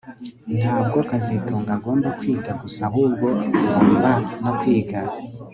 Ntabwo kazitunga agomba kwiga gusa ahubwo ngomba no kwiga